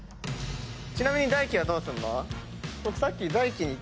ちなみに大貴はどうすんの？